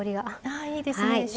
あいいですね。